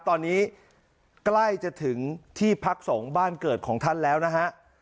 ตอนนี้ใกล้จะถึงที่พักสงฆ์บ้านเกิดของท่านแล้วนะฮะ